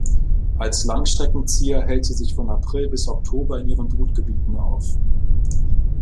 Als Langstreckenzieher hält sie sich von April bis Oktober in ihren Brutgebieten auf.